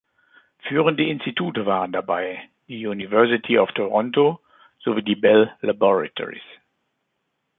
Führende Institute waren dabei die University of Toronto sowie die Bell Laboratories.